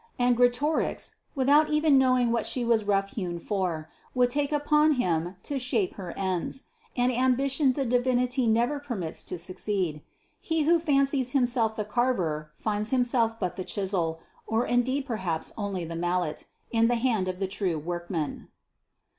And Greatorex, without even knowing what she was rough hewn for, would take upon him to shape her ends! an ambition the Divinity never permits to succeed: he who fancies himself the carver finds himself but the chisel, or indeed perhaps only the mallet, in the hand of the true workman.